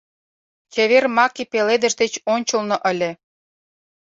Чевер маке пеледыш деч ончылно ыле.